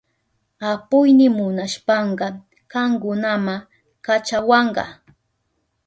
Apuyni munashpanka kankunama kachawanka.